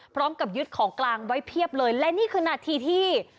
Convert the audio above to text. พร้อมกับยึดของกลางไว้เพียบเลยและนี่คือนาทีที่